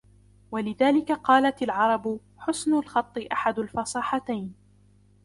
وَلِذَلِكَ قَالَتْ الْعَرَبُ حُسْنُ الْخَطِّ أَحَدُ الْفَصَاحَتَيْنِ